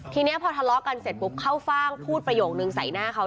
ทีนี้พอทะเลาะกันเสร็จปุ๊บเข้าฟ่างพูดประโยคนึงใส่หน้าเขา